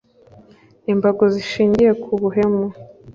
imbago zishingiye ku buhemu